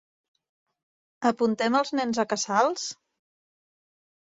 Apuntem els nens a casals?